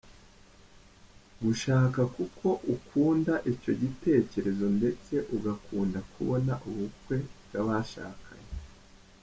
Gushaka kuko ukunda icyo gitekerezo ndetse ugakunda kubona ubukwe bw’abashakanye.